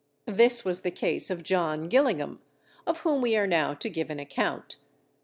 This was the case of John Gillingham, of whom we are now to give an account.